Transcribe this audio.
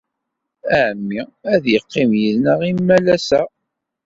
Ɛemmi ad yeqqim yid-neɣ imalas-a.